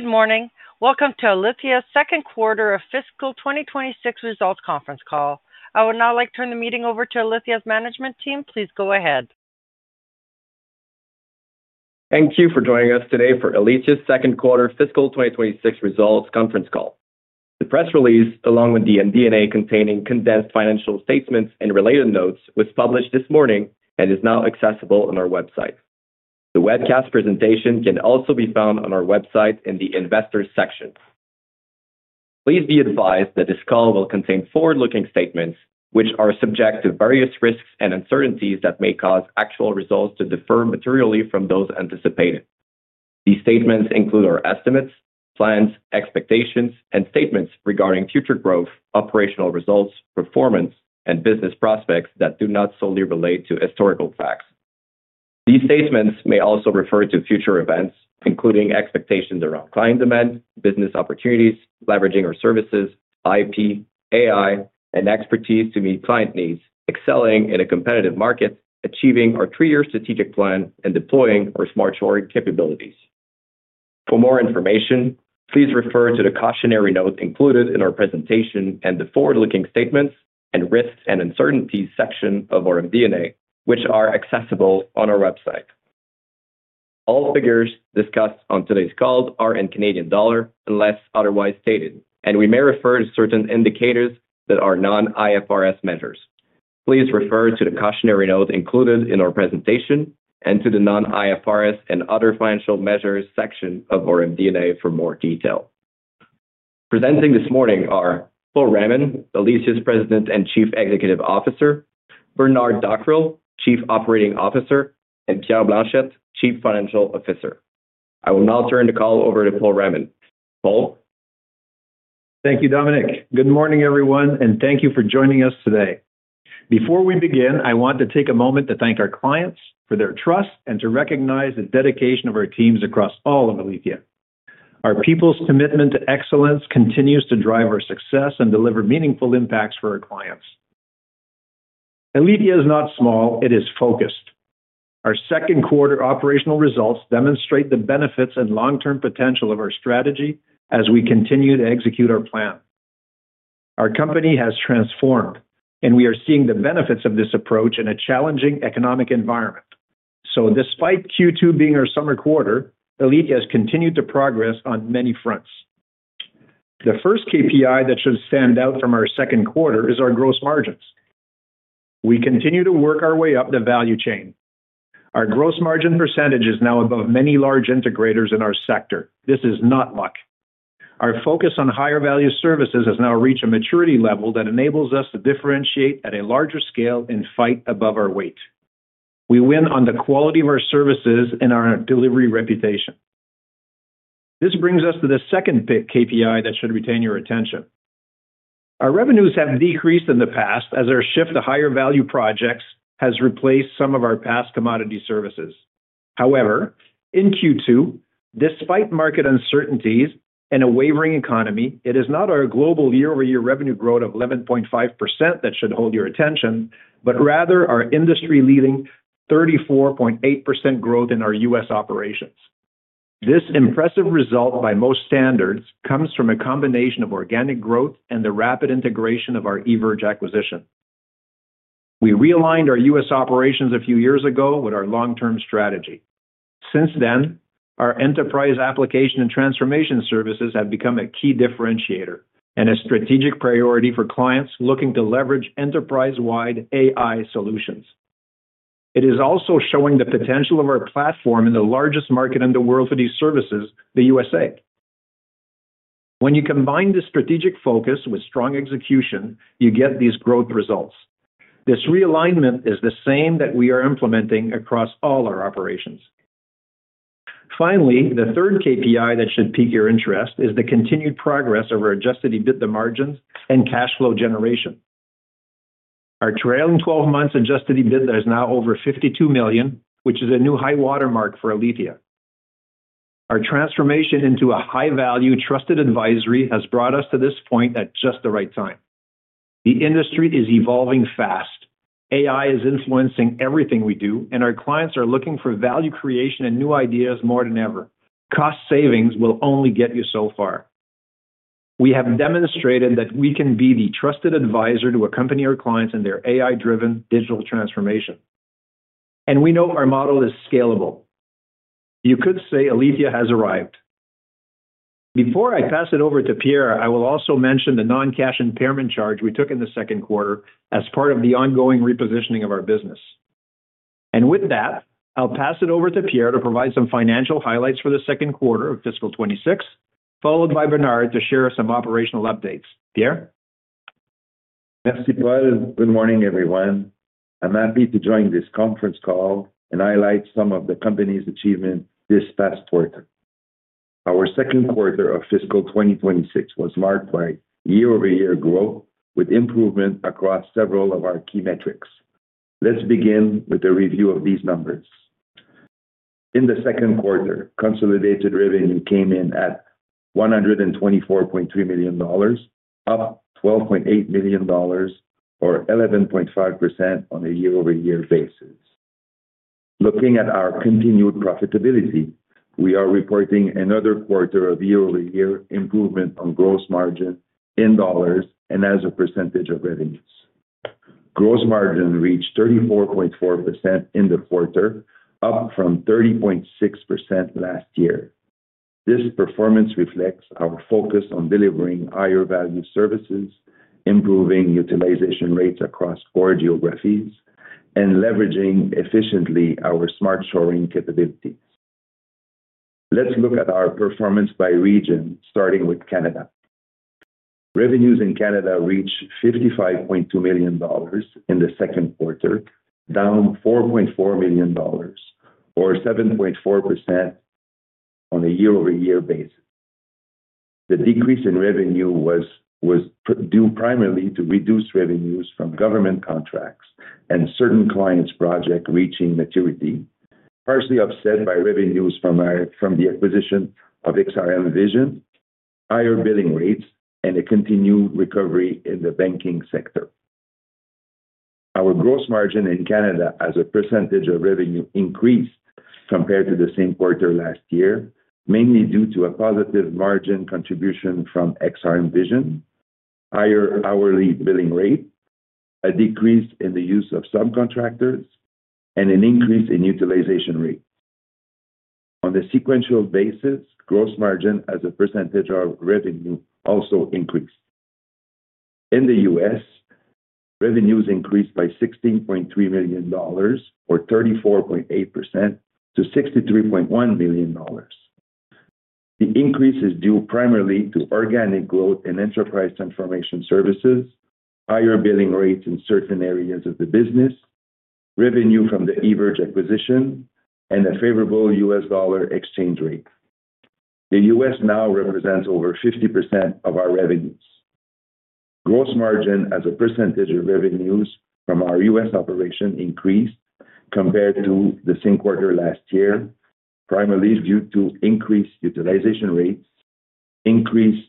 Good morning. Welcome to Alithya's second quarter of fiscal 2026 results conference call. I would now like to turn the meeting over to Alithya's management team. Please go ahead. Thank you for joining us today for Alithya's second quarter fiscal 2026 results conference call. The press release, along with the DNA containing condensed financial statements and related notes, was published this morning and is now accessible on our website. The webcast presentation can also be found on our website in the investors' section. Please be advised that this call will contain forward-looking statements, which are subject to various risks and uncertainties that may cause actual results to differ materially from those anticipated. These statements include our estimates, plans, expectations, and statements regarding future growth, operational results, performance, and business prospects that do not solely relate to historical facts. These statements may also refer to future events, including expectations around client demand, business opportunities, leveraging our services, IP, AI, and expertise to meet client needs, excelling in a competitive market, achieving our three-year strategic plan, and deploying our smart shoring capabilities. For more information, please refer to the cautionary note included in our presentation and the forward-looking statements and risks and uncertainties section of our DNA, which are accessible on our website. All figures discussed on today's call are in CAD unless otherwise stated, and we may refer to certain indicators that are non-IFRS measures. Please refer to the cautionary note included in our presentation and to the non-IFRS and other financial measures section of our DNA for more detail. Presenting this morning are Paul Raymond, Alithya's President and Chief Executive Officer, Bernard Dockrill, Chief Operating Officer, and Pierre Blanchette, Chief Financial Officer. I will now turn the call over to Paul Raymond. Paul. Thank you, Dominic. Good morning, everyone, and thank you for joining us today. Before we begin, I want to take a moment to thank our clients for their trust and to recognize the dedication of our teams across all of Alithya. Our people's commitment to excellence continues to drive our success and deliver meaningful impacts for our clients. Alithya is not small; it is focused. Our second quarter operational results demonstrate the benefits and long-term potential of our strategy as we continue to execute our plan. Our company has transformed, and we are seeing the benefits of this approach in a challenging economic environment. Despite Q2 being our summer quarter, Alithya has continued to progress on many fronts. The first KPI that should stand out from our second quarter is our gross margins. We continue to work our way up the value chain. Our gross margin percentage is now above many large integrators in our sector. This is not luck. Our focus on higher value services has now reached a maturity level that enables us to differentiate at a larger scale and fight above our weight. We win on the quality of our services and our delivery reputation. This brings us to the second KPI that should retain your attention. Our revenues have decreased in the past as our shift to higher value projects has replaced some of our past commodity services. However, in Q2, despite market uncertainties and a wavering economy, it is not our global year-over-year revenue growth of 11.5% that should hold your attention, but rather our industry-leading 34.8% growth in our U.S. operations. This impressive result by most standards comes from a combination of organic growth and the rapid integration of our eVerge acquisition. We realigned our U.S. Operations a few years ago with our long-term strategy. Since then, our enterprise application and transformation services have become a key differentiator and a strategic priority for clients looking to leverage enterprise-wide AI solutions. It is also showing the potential of our platform in the largest market in the world for these services, the U.S.A. When you combine this strategic focus with strong execution, you get these growth results. This realignment is the same that we are implementing across all our operations. Finally, the third KPI that should pique your interest is the continued progress of our adjusted EBITDA margins and cash flow generation. Our trailing 12 months' adjusted EBITDA is now over 52 million, which is a new high watermark for Alithya. Our transformation into a high-value, trusted advisory has brought us to this point at just the right time. The industry is evolving fast. AI is influencing everything we do, and our clients are looking for value creation and new ideas more than ever. Cost savings will only get you so far. We have demonstrated that we can be the trusted advisor to accompany our clients in their AI-driven digital transformation. We know our model is scalable. You could say Alithya has arrived. Before I pass it over to Pierre, I will also mention the non-cash impairment charge we took in the second quarter as part of the ongoing repositioning of our business. With that, I'll pass it over to Pierre to provide some financial highlights for the second quarter of fiscal 2026, followed by Bernard to share some operational updates. Pierre? Thanks, Paul. Good morning, everyone. I'm happy to join this conference call and highlight some of the company's achievements this past quarter. Our second quarter of fiscal 2026 was marked by year-over-year growth with improvement across several of our key metrics. Let's begin with a review of these numbers. In the second quarter, consolidated revenue came in at 124.3 million dollars, up 12.8 million dollars, or 11.5% on a year-over-year basis. Looking at our continued profitability, we are reporting another quarter of year-over-year improvement on gross margin in dollars and as a percentage of revenues. Gross margin reached 34.4% in the quarter, up from 30.6% last year. This performance reflects our focus on delivering higher value services, improving utilization rates across four geographies, and leveraging efficiently our smart shoring capabilities. Let's look at our performance by region, starting with Canada. Revenues in Canada reached 55.2 million dollars in the second quarter, down 4.4 million dollars, or 7.4% on a year-over-year basis. The decrease in revenue was due primarily to reduced revenues from government contracts and certain clients' projects reaching maturity, partially offset by revenues from the acquisition of XRM Vision, higher billing rates, and a continued recovery in the banking sector. Our gross margin in Canada as a percentage of revenue increased compared to the same quarter last year, mainly due to a positive margin contribution from XRM Vision, higher hourly billing rate, a decrease in the use of subcontractors, and an increase in utilization rates. On a sequential basis, gross margin as a percentage of revenue also increased. In the U.S., revenues increased by $16.3 million, or 34.8%, to $63.1 million. The increase is due primarily to organic growth in enterprise transformation services, higher billing rates in certain areas of the business, revenue from the eVerge acquisition, and a favorable U.S. dollar exchange rate. The U.S. now represents over 50% of our revenues. Gross margin as a percentage of revenues from our U.S. operation increased compared to the same quarter last year, primarily due to increased utilization rates, increased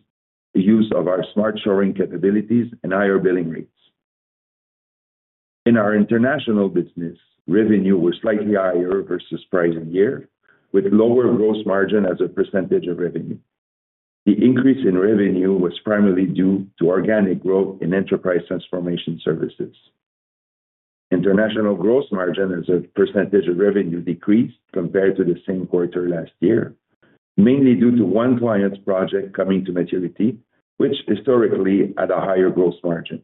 use of our smart shoring capabilities, and higher billing rates. In our international business, revenue was slightly higher versus prior year, with lower gross margin as a percentage of revenue. The increase in revenue was primarily due to organic growth in enterprise transformation services. International gross margin as a percentage of revenue decreased compared to the same quarter last year, mainly due to one client's project coming to maturity, which historically had a higher gross margin.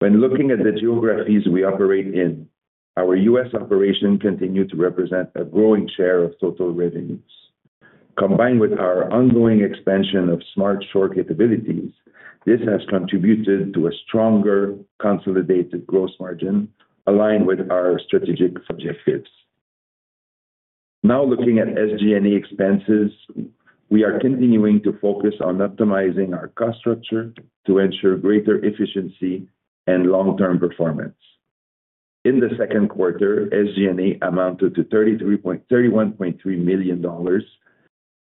When looking at the geographies we operate in, our U.S. operation continued to represent a growing share of total revenues. Combined with our ongoing expansion of smart shoring capabilities, this has contributed to a stronger consolidated gross margin aligned with our strategic objectives. Now looking at SG&A expenses, we are continuing to focus on optimizing our cost structure to ensure greater efficiency and long-term performance. In the second quarter, SG&A amounted to 31.3 million dollars,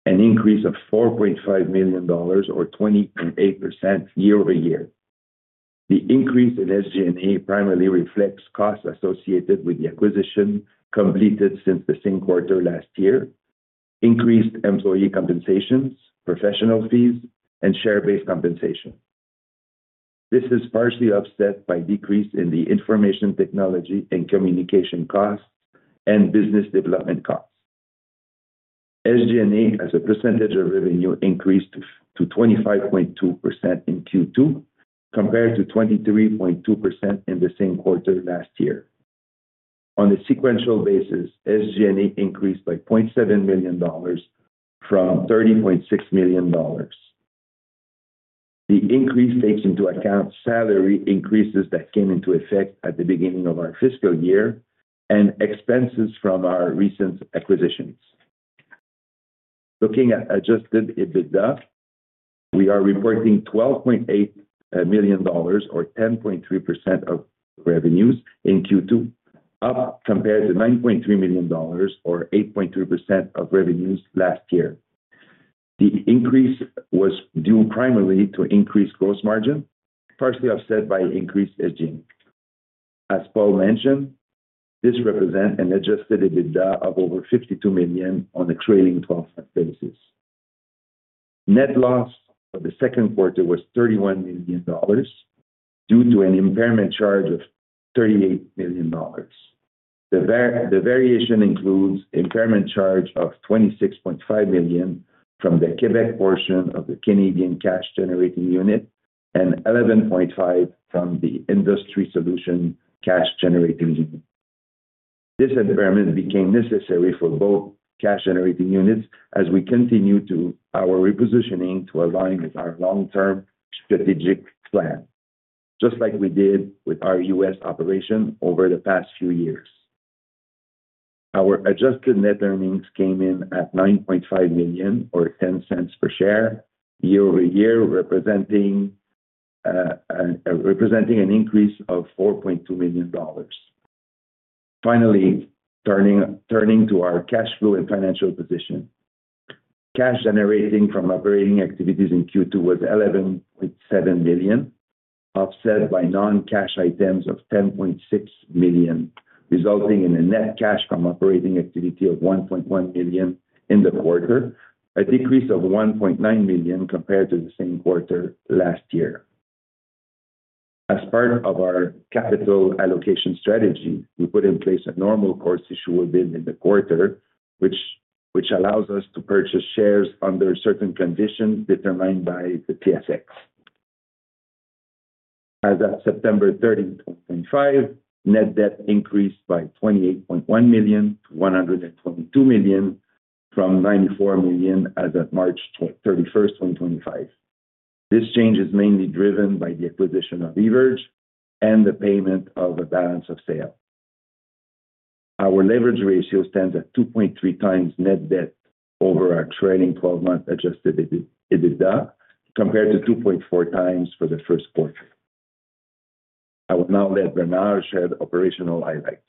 an increase of 4.5 million dollars, or 28% year-over-year. The increase in SG&A primarily reflects costs associated with the acquisition completed since the same quarter last year, increased employee compensation, professional fees, and share-based compensation. This is partially offset by a decrease in information technology and communication costs and business development costs. SG&A as a percentage of revenue increased to 25.2% in Q2 compared to 23.2% in the same quarter last year. On a sequential basis, SG&A increased by $0.7 million from $30.6 million. The increase takes into account salary increases that came into effect at the beginning of our fiscal year and expenses from our recent acquisitions. Looking at adjusted EBITDA, we are reporting $12.8 million, or 10.3% of revenues in Q2, up compared to $9.3 million, or 8.3% of revenues last year. The increase was due primarily to increased gross margin, partially offset by increased SG&A. As Paul mentioned, this represents an adjusted EBITDA of over $52 million on a trailing 12-month basis. Net loss for the second quarter was $31 million due to an impairment charge of $38 million. The variation includes an impairment charge of $26.5 million from the Quebec portion of the Canadian cash-generating unit and $11.5 million from the industry solution cash-generating unit. This impairment became necessary for both cash-generating units as we continue our repositioning to align with our long-term strategic plan, just like we did with our U.S. operation over the past few years. Our adjusted net earnings came in at 9.5 million, or 0.10 per share, year-over-year, representing an increase of 4.2 million dollars. Finally, turning to our cash flow and financial position, the cash generating from operating activities in Q2 was 11.7 million, offset by non-cash items of 10.6 million, resulting in a net cash from operating activity of 1.1 million in the quarter, a decrease of 1.9 million compared to the same quarter last year. As part of our capital allocation strategy, we put in place a normal course issuable bid in the quarter, which allows us to purchase shares under certain conditions determined by the TSX. As of September 30, 2025, net debt increased by 28.1 million to 122 million from 94 million as of March 31, 2025. This change is mainly driven by the acquisition of eVerge and the payment of a balance of sale. Our leverage ratio stands at 2.3 times net debt over our trailing 12-month adjusted EBITDA, compared to 2.4 times for the first quarter. I will now let Bernard share the operational highlights.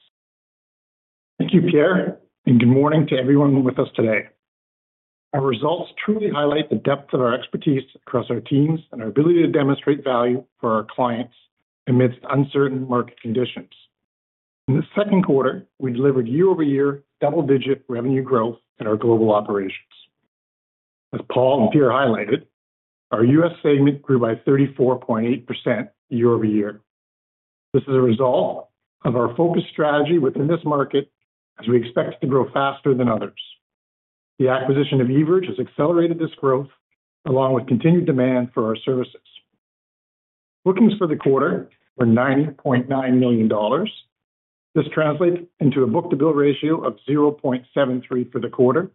Thank you, Pierre, and good morning to everyone with us today. Our results truly highlight the depth of our expertise across our teams and our ability to demonstrate value for our clients amidst uncertain market conditions. In the second quarter, we delivered year-over-year double-digit revenue growth in our global operations. As Paul and Pierre highlighted, our U.S. segment grew by 34.8% year-over-year. This is a result of our focused strategy within this market, as we expect it to grow faster than others. The acquisition of eVerge has accelerated this growth, along with continued demand for our services. Bookings for the quarter were 90.9 million dollars. This translates into a book-to-bill ratio of 0.73 for the quarter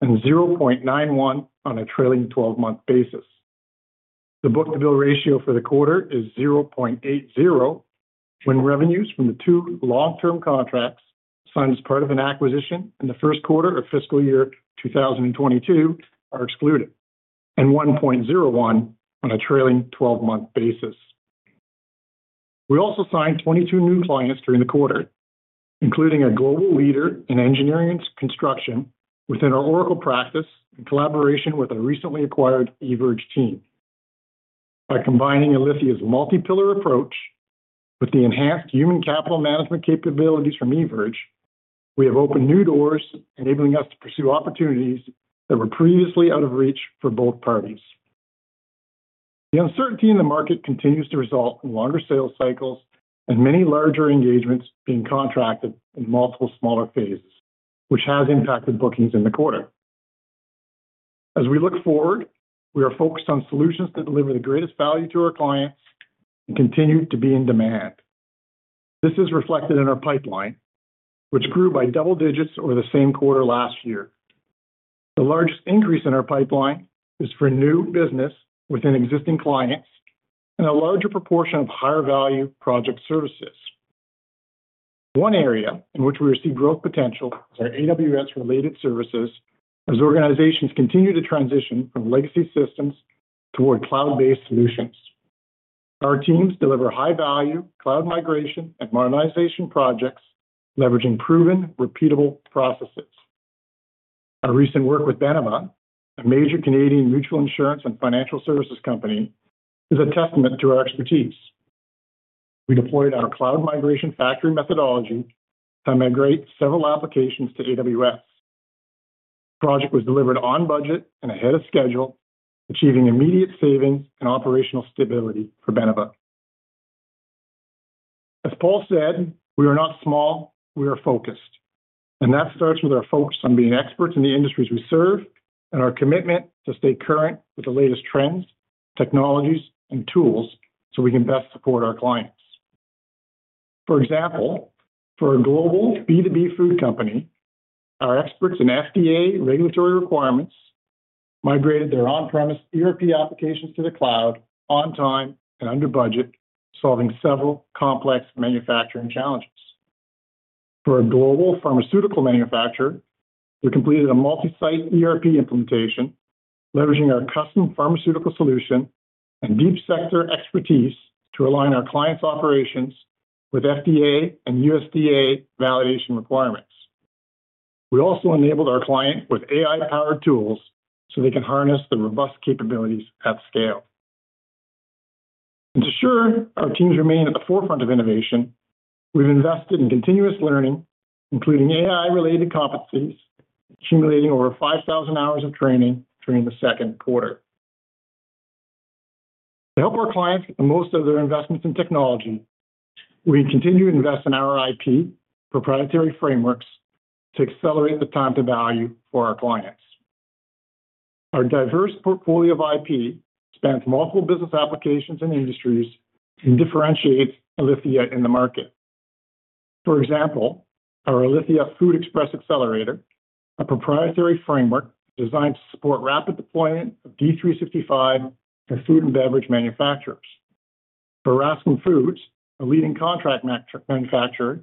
and 0.91 on a trailing 12-month basis. The book-to-bill ratio for the quarter is 0.80 when revenues from the two long-term contracts signed as part of an acquisition in the first quarter of fiscal year 2022 are excluded, and 1.01 on a trailing 12-month basis. We also signed 22 new clients during the quarter, including a global leader in engineering and construction within our Oracle practice in collaboration with our recently acquired eVerge team. By combining Alithya's multi-pillar approach with the enhanced human capital management capabilities from eVerge, we have opened new doors, enabling us to pursue opportunities that were previously out of reach for both parties. The uncertainty in the market continues to result in longer sales cycles and many larger engagements being contracted in multiple smaller phases, which has impacted bookings in the quarter. As we look forward, we are focused on solutions that deliver the greatest value to our clients and continue to be in demand. This is reflected in our pipeline, which grew by double digits over the same quarter last year. The largest increase in our pipeline is for new business within existing clients and a larger proportion of higher value project services. One area in which we receive growth potential is our AWS-related services, as organizations continue to transition from legacy systems toward cloud-based solutions. Our teams deliver high-value cloud migration and modernization projects, leveraging proven, repeatable processes. Our recent work with Benamon, a major Canadian mutual insurance and financial services company, is a testament to our expertise. We deployed our cloud migration factory methodology to migrate several applications to AWS. The project was delivered on budget and ahead of schedule, achieving immediate savings and operational stability for Benamon. As Paul said, we are not small; we are focused. That starts with our focus on being experts in the industries we serve and our commitment to stay current with the latest trends, technologies, and tools so we can best support our clients. For example, for a global B2B food company, our experts in FDA regulatory requirements migrated their on-premise ERP applications to the cloud on time and under budget, solving several complex manufacturing challenges. For a global pharmaceutical manufacturer, we completed a multi-site ERP implementation, leveraging our custom pharmaceutical solution and deep sector expertise to align our clients' operations with FDA and USDA validation requirements. We also enabled our client with AI-powered tools so they can harness the robust capabilities at scale. To ensure our teams remain at the forefront of innovation, we've invested in continuous learning, including AI-related competencies, accumulating over 5,000 hours of training during the second quarter. To help our clients get the most out of their investments in technology, we continue to invest in our IP proprietary frameworks to accelerate the time to value for our clients. Our diverse portfolio of IP spans multiple business applications and industries and differentiates Alithya in the market. For example, our Alithya Food Express Accelerator is a proprietary framework designed to support rapid deployment of D365 for food and beverage manufacturers. For Raskin Foods, a leading contract manufacturer,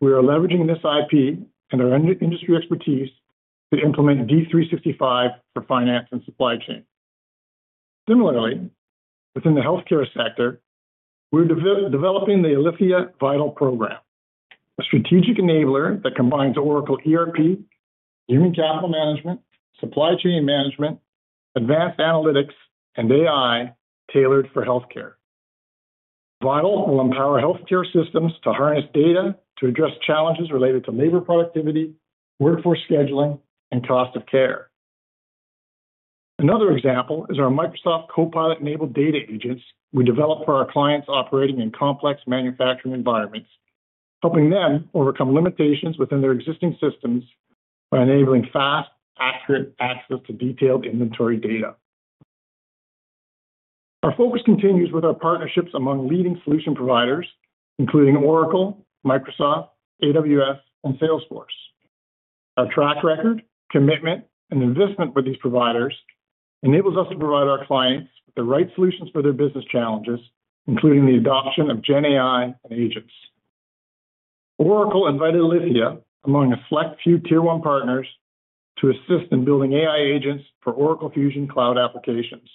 we are leveraging this IP and our industry expertise to implement D365 for finance and supply chain. Similarly, within the healthcare sector, we're developing the Alithya Vital program, a strategic enabler that combines Oracle ERP, human capital management, supply chain management, advanced analytics, and AI tailored for healthcare. Vital will empower healthcare systems to harness data to address challenges related to labor productivity, workforce scheduling, and cost of care. Another example is our Microsoft Copilot-enabled data agents we develop for our clients operating in complex manufacturing environments, helping them overcome limitations within their existing systems by enabling fast, accurate access to detailed inventory data. Our focus continues with our partnerships among leading solution providers, including Oracle, Microsoft, AWS, and Salesforce. Our track record, commitment, and investment with these providers enables us to provide our clients with the right solutions for their business challenges, including the adoption of GenAI and agents. Oracle invited Alithya, among a select few tier-one partners, to assist in building AI agents for Oracle Fusion Cloud applications.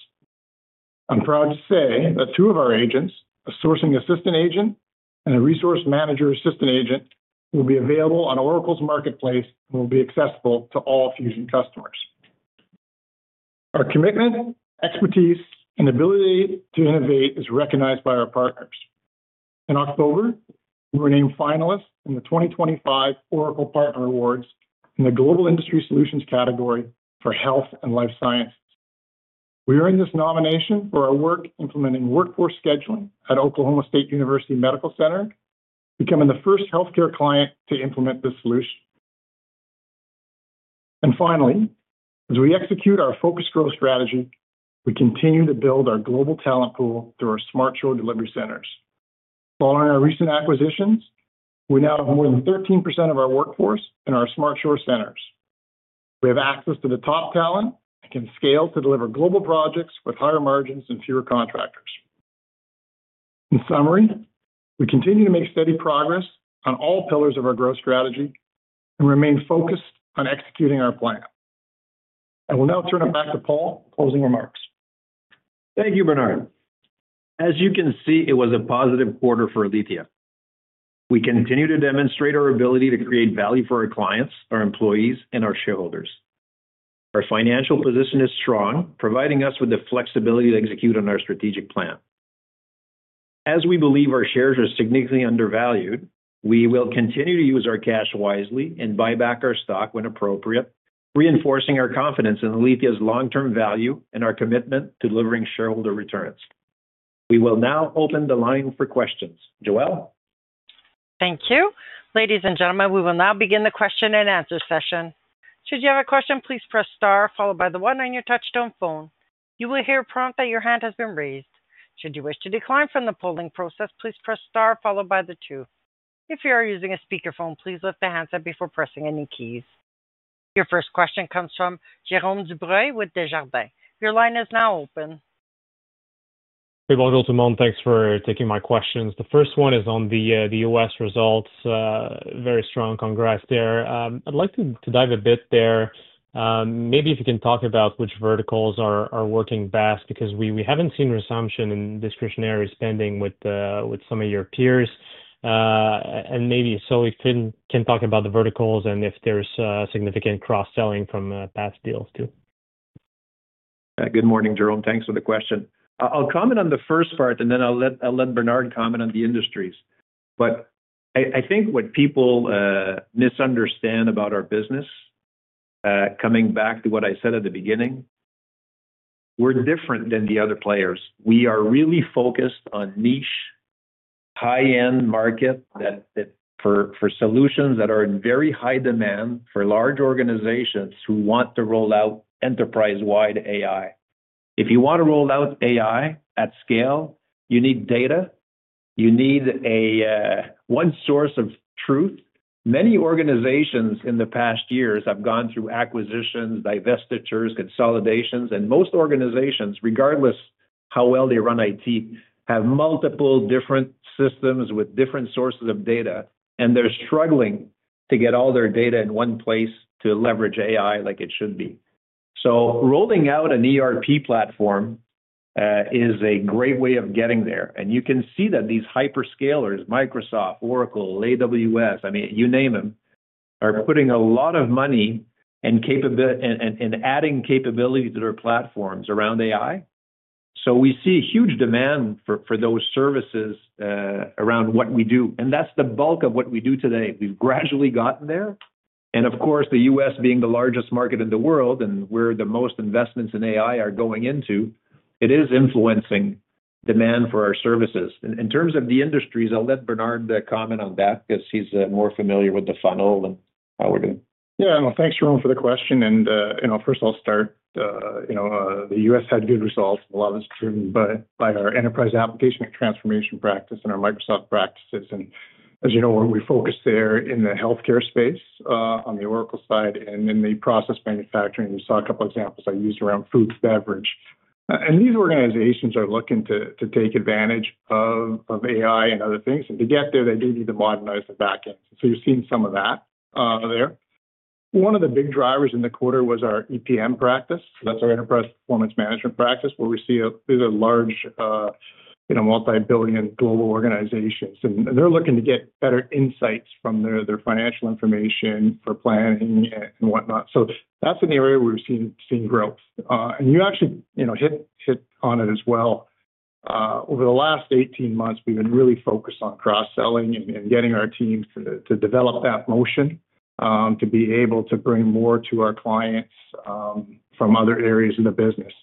I'm proud to say that two of our agents, a sourcing assistant agent and a resource manager assistant agent, will be available on Oracle's marketplace and will be accessible to all Fusion customers. Our commitment, expertise, and ability to innovate is recognized by our partners. In October, we were named finalists in the 2025 Oracle Partner Awards in the Global Industry Solutions category for health and life sciences. We earned this nomination for our work implementing workforce scheduling at Oklahoma State University Medical Center, becoming the first healthcare client to implement this solution. As we execute our focus growth strategy, we continue to build our global talent pool through our smart shore delivery centers. Following our recent acquisitions, we now have more than 13% of our workforce in our smart shore centers. We have access to the top talent and can scale to deliver global projects with higher margins and fewer contractors. In summary, we continue to make steady progress on all pillars of our growth strategy and remain focused on executing our plan. I will now turn it back to Paul for closing remarks. Thank you, Bernard. As you can see, it was a positive quarter for Alithya. We continue to demonstrate our ability to create value for our clients, our employees, and our shareholders. Our financial position is strong, providing us with the flexibility to execute on our strategic plan. As we believe our shares are significantly undervalued, we will continue to use our cash wisely and buy back our stock when appropriate, reinforcing our confidence in Alithya's long-term value and our commitment to delivering shareholder returns. We will now open the line for questions. Joelle? Thank you. Ladies and gentlemen, we will now begin the question and answer session. Should you have a question, please press star, followed by the one on your touch-tone phone. You will hear a prompt that your hand has been raised. Should you wish to decline from the polling process, please press star, followed by the two. If you are using a speakerphone, please lift the handset before pressing any keys. Your first question comes from Jérome Dubreuil with Desjardins. Your line is now open. Hey, bonjour tout le monde. Thanks for taking my questions. The first one is on the U.S. results. Very strong. Congrats there. I'd like to dive a bit there. Maybe if you can talk about which verticals are working best, because we haven't seen resumption in discretionary spending with some of your peers. Maybe we can talk about the verticals and if there's significant cross-selling from past deals too. Good morning, Jérome. Thanks for the question. I'll comment on the first part, and then I'll let Bernard comment on the industries. I think what people misunderstand about our business, coming back to what I said at the beginning, we're different than the other players. We are really focused on niche, high-end market for solutions that are in very high demand for large organizations who want to roll out enterprise-wide AI. If you want to roll out AI at scale, you need data. You need one source of truth. Many organizations in the past years have gone through acquisitions, divestitures, consolidations, and most organizations, regardless of how well they run IT, have multiple different systems with different sources of data, and they're struggling to get all their data in one place to leverage AI like it should be. Rolling out an ERP platform is a great way of getting there. You can see that these hyperscalers, Microsoft, Oracle, AWS, I mean, you name them, are putting a lot of money and adding capabilities to their platforms around AI. We see huge demand for those services around what we do. That is the bulk of what we do today. We have gradually gotten there. Of course, the U.S. being the largest market in the world, and where the most investments in AI are going into, it is influencing demand for our services. In terms of the industries, I will let Bernard comment on that because he is more familiar with the funnel and how we are doing. Yeah. Thanks, Jérôme, for the question. First, I'll start. The U.S. had good results, a lot of it's driven by our enterprise application and transformation practice and our Microsoft practices. As you know, we focus there in the healthcare space on the Oracle side and in the process manufacturing. We saw a couple of examples I used around food and beverage. These organizations are looking to take advantage of AI and other things. To get there, they do need to modernize the backend. You've seen some of that there. One of the big drivers in the quarter was our EPM practice. That's our enterprise performance management practice, where we see large multi-billion global organizations. They're looking to get better insights from their financial information for planning and whatnot. That's an area where we've seen growth. You actually hit on it as well. Over the last 18 months, we've been really focused on cross-selling and getting our teams to develop that motion to be able to bring more to our clients from other areas of the business.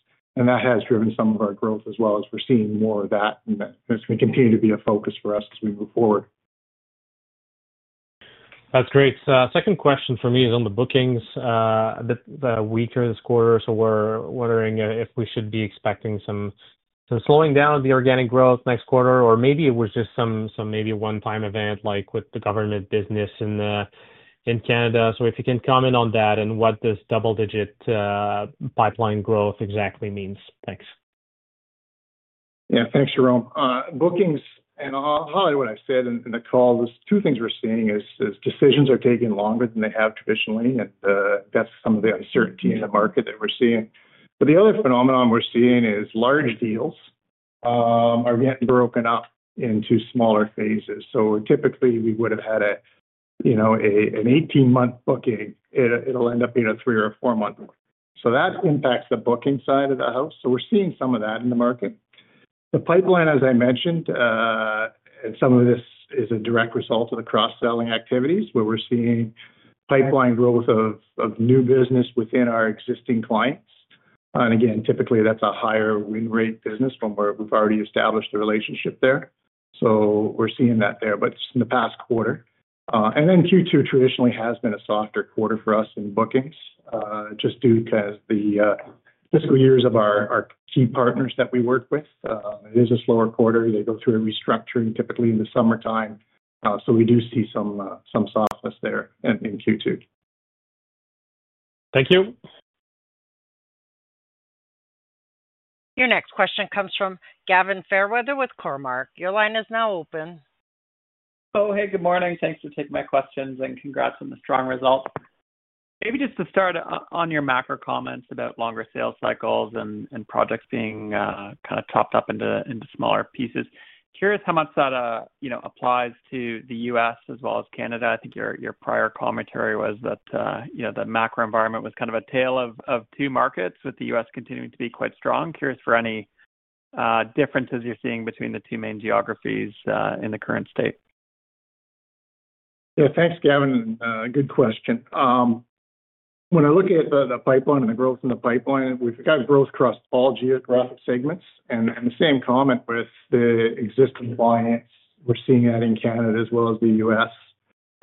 That has driven some of our growth as well as we're seeing more of that. That is going to continue to be a focus for us as we move forward. That's great. Second question for me is on the bookings that week or this quarter. We're wondering if we should be expecting some slowing down of the organic growth next quarter, or maybe it was just some maybe one-time event like with the government business in Canada. If you can comment on that and what this double-digit pipeline growth exactly means. Thanks. Yeah. Thanks, Jérôme. Bookings and probably what I said in the call, there's two things we're seeing is decisions are taken longer than they have traditionally. That's some of the uncertainty in the market that we're seeing. The other phenomenon we're seeing is large deals are getting broken up into smaller phases. Typically, we would have had an 18-month booking. It'll end up being a three or a four-month one. That impacts the booking side of the house. We're seeing some of that in the market. The pipeline, as I mentioned, and some of this is a direct result of the cross-selling activities, where we're seeing pipeline growth of new business within our existing clients. Again, typically, that's a higher win rate business from where we've already established the relationship there. We're seeing that there, but just in the past quarter. Q2 traditionally has been a softer quarter for us in bookings just due to the fiscal years of our key partners that we work with. It is a slower quarter. They go through a restructuring typically in the summertime. We do see some softness there in Q2. Thank you. Your next question comes from Gavin Fairweather with Cormark. Your line is now open. Oh, hey, good morning. Thanks for taking my questions and congrats on the strong results. Maybe just to start on your macro comments about longer sales cycles and projects being kind of chopped up into smaller pieces, curious how much that applies to the U.S. as well as Canada. I think your prior commentary was that the macro environment was kind of a tale of two markets with the U.S. continuing to be quite strong. Curious for any differences you're seeing between the two main geographies in the current state. Yeah. Thanks, Gavin. Good question. When I look at the pipeline and the growth in the pipeline, we've got growth across all geographic segments. The same comment with the existing clients. We're seeing that in Canada as well as the U.S.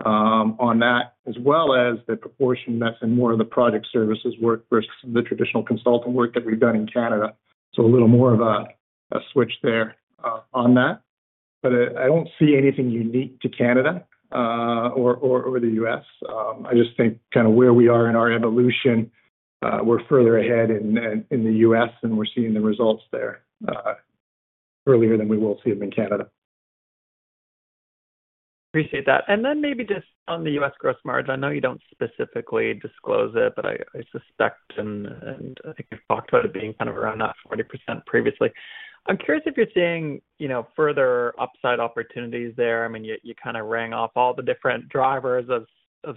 on that, as well as the proportion that's in more of the project services work versus the traditional consultant work that we've done in Canada. A little more of a switch there on that. I don't see anything unique to Canada or the U.S. I just think kind of where we are in our evolution, we're further ahead in the U.S., and we're seeing the results there earlier than we will see them in Canada. Appreciate that. Maybe just on the U.S. gross margin, I know you do not specifically disclose it, but I suspect, and I think you have talked about it being kind of around that 40% previously. I am curious if you are seeing further upside opportunities there. I mean, you kind of rang off all the different drivers of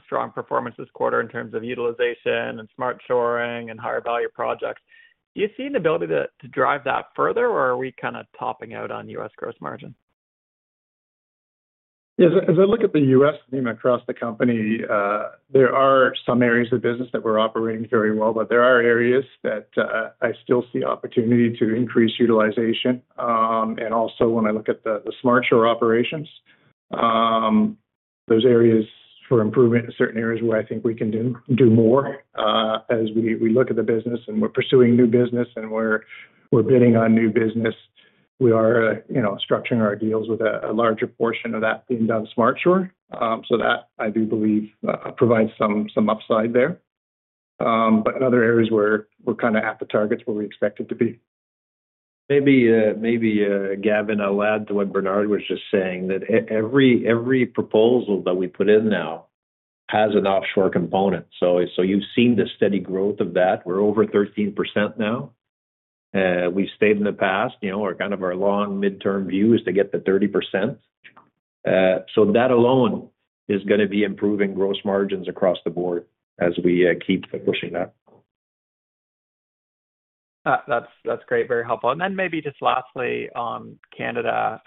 strong performance this quarter in terms of utilization and smart shoring and higher value projects. Do you see an ability to drive that further, or are we kind of topping out on U.S. gross margin? Yeah. As I look at the U.S. theme across the company, there are some areas of business that we're operating very well, but there are areas that I still see opportunity to increase utilization. Also, when I look at the smart shoring operations, those are areas for improvement in certain areas where I think we can do more as we look at the business and we're pursuing new business and we're bidding on new business, we are structuring our deals with a larger portion of that being done smart shore. That, I do believe, provides some upside there. In other areas, we're kind of at the targets where we expect to be. Maybe, Gavin, I'll add to what Bernard was just saying, that every proposal that we put in now has an offshore component. You've seen the steady growth of that. We're over 13% now. We've stated in the past, kind of our long midterm view is to get to 30%. That alone is going to be improving gross margins across the board as we keep pushing that. That's great. Very helpful. Maybe just lastly on Canada,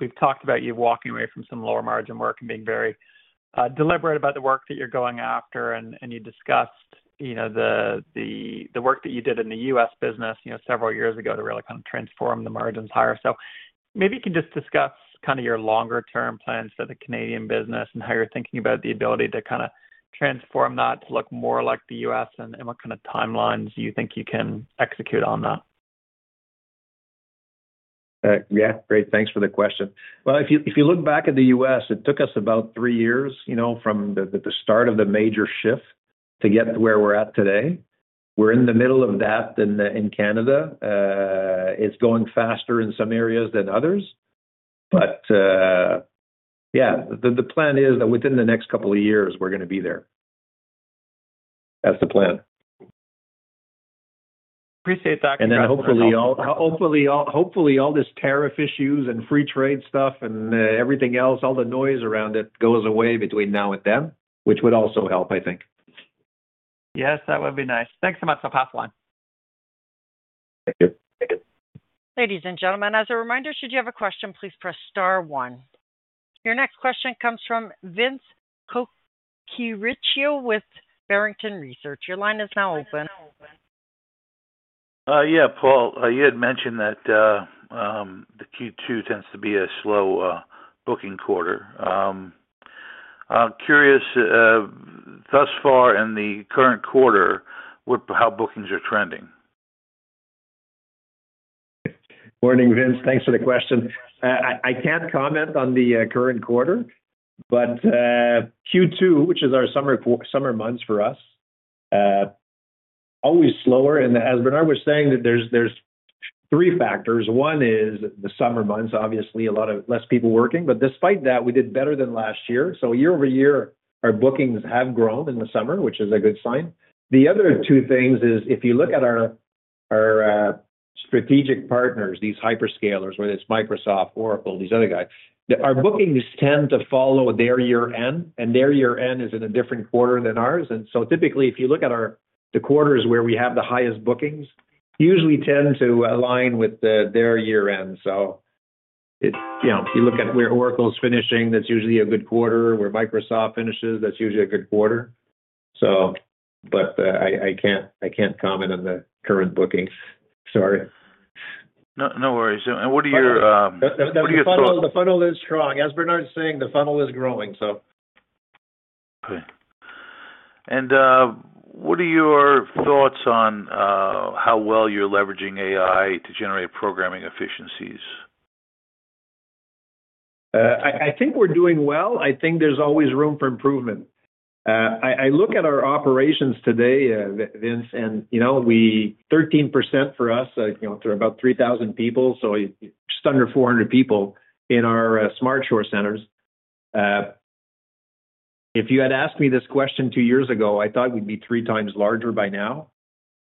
we've talked about you walking away from some lower margin work and being very deliberate about the work that you're going after. You discussed the work that you did in the U.S. business several years ago to really kind of transform the margins higher. Maybe you can just discuss kind of your longer-term plans for the Canadian business and how you're thinking about the ability to kind of transform that to look more like the U.S. and what kind of timelines you think you can execute on that. Yeah. Great. Thanks for the question. If you look back at the U.S., it took us about three years from the start of the major shift to get to where we're at today. We're in the middle of that in Canada. It's going faster in some areas than others. Yeah, the plan is that within the next couple of years, we're going to be there. That's the plan. Appreciate that, Gavin. Hopefully, all this tariff issues and free trade stuff and everything else, all the noise around it goes away between now and then, which would also help, I think. Yes, that would be nice. Thanks so much for passing on. Thank you. Ladies and gentlemen, as a reminder, should you have a question, please press star one. Your next question comes from Vince Colicchio with Barrington Research. Your line is now open. Yeah, Paul, you had mentioned that the Q2 tends to be a slow booking quarter. Curious, thus far in the current quarter, how bookings are trending? Good morning, Vince. Thanks for the question. I can't comment on the current quarter, but Q2, which is our summer months for us, always slower. As Bernard was saying, there are three factors. One is the summer months, obviously, a lot of less people working. Despite that, we did better than last year. Year over year, our bookings have grown in the summer, which is a good sign. The other two things are if you look at our strategic partners, these hyperscalers, whether it's Microsoft, Oracle, these other guys, our bookings tend to follow their year-end. Their year-end is in a different quarter than ours. Typically, if you look at the quarters where we have the highest bookings, they usually tend to align with their year-end. If you look at where Oracle's finishing, that's usually a good quarter. Where Microsoft finishes, that's usually a good quarter. I can't comment on the current bookings. Sorry. No worries. What are your thoughts? The funnel is strong. As Bernard's saying, the funnel is growing, so. Okay. What are your thoughts on how well you're leveraging AI to generate programming efficiencies? I think we're doing well. I think there's always room for improvement. I look at our operations today, Vince, and 13% for us, there are about 3,000 people, so just under 400 people in our smart shore centers. If you had asked me this question two years ago, I thought we'd be three times larger by now.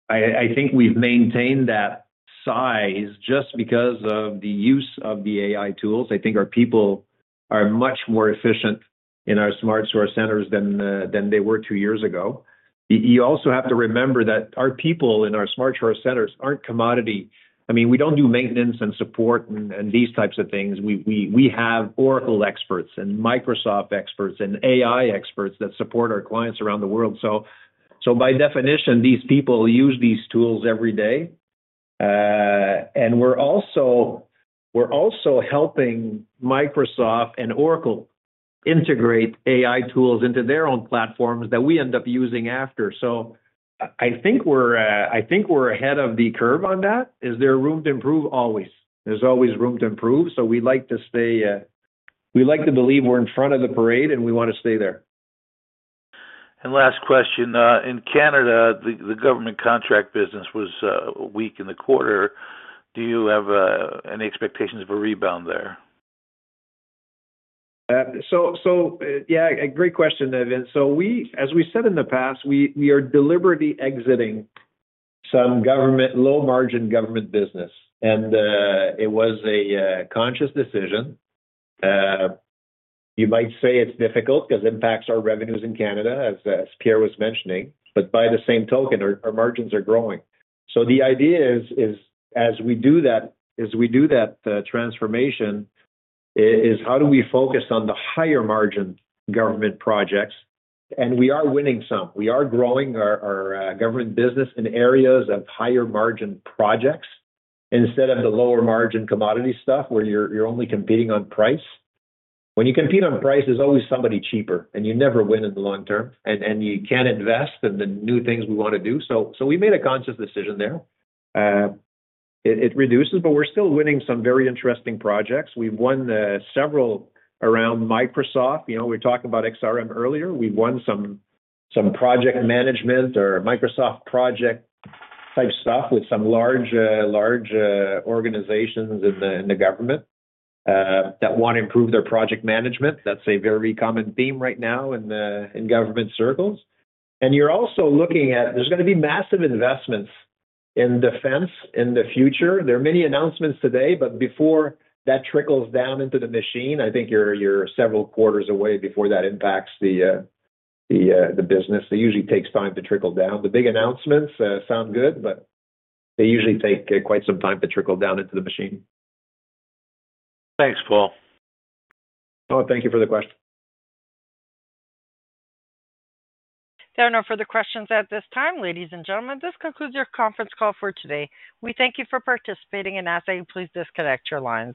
I think we've maintained that size just because of the use of the AI tools. I think our people are much more efficient in our smart shore centers than they were two years ago. You also have to remember that our people in our smart shore centers aren't commodity. I mean, we don't do maintenance and support and these types of things. We have Oracle experts and Microsoft experts and AI experts that support our clients around the world. By definition, these people use these tools every day. We are also helping Microsoft and Oracle integrate AI tools into their own platforms that we end up using after. I think we are ahead of the curve on that. Is there room to improve? Always. There is always room to improve. We like to stay, we like to believe we are in front of the parade, and we want to stay there. Last question. In Canada, the government contract business was weak in the quarter. Do you have any expectations for rebound there? Yeah, great question, Vince. As we said in the past, we are deliberately exiting some low-margin government business. It was a conscious decision. You might say it's difficult because it impacts our revenues in Canada, as Pierre was mentioning. By the same token, our margins are growing. The idea is, as we do that, as we do that transformation, how do we focus on the higher-margin government projects? We are winning some. We are growing our government business in areas of higher-margin projects instead of the lower-margin commodity stuff where you're only competing on price. When you compete on price, there's always somebody cheaper, and you never win in the long term. You can't invest in the new things we want to do. We made a conscious decision there. It reduces, but we're still winning some very interesting projects. We've won several around Microsoft. We were talking about XRM earlier. We've won some project management or Microsoft project-type stuff with some large organizations in the government that want to improve their project management. That's a very common theme right now in government circles. You're also looking at there's going to be massive investments in defense in the future. There are many announcements today, but before that trickles down into the machine, I think you're several quarters away before that impacts the business. It usually takes time to trickle down. The big announcements sound good, but they usually take quite some time to trickle down into the machine. Thanks, Paul. Oh, thank you for the question. There are no further questions at this time. Ladies and gentlemen, this concludes your conference call for today. We thank you for participating, and ask that you please disconnect your lines.